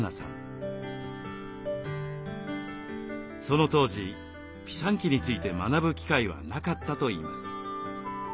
その当時ピサンキについて学ぶ機会はなかったといいます。